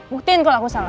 buktiin kalau aku salah